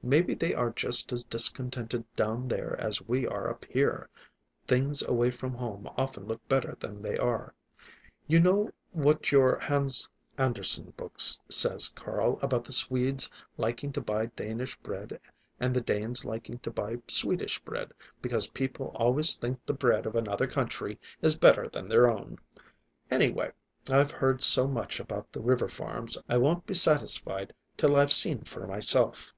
Maybe they are just as discontented down there as we are up here. Things away from home often look better than they are. You know what your Hans Andersen book says, Carl, about the Swedes liking to buy Danish bread and the Danes liking to buy Swedish bread, because people always think the bread of another country is better than their own. Anyway, I've heard so much about the river farms, I won't be satisfied till I've seen for myself."